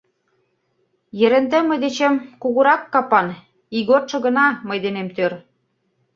Еренте мый дечем кугурак капан, ийготшо гына мый денем тӧр.